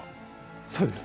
そうです。